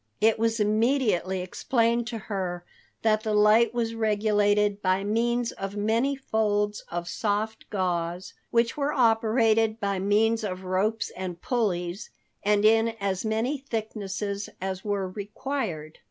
It was immediately explained to her that the light was regulated by means of many folds of soft gauze, which were operated by means of ropes and pulleys and in as many thicknesses as were required.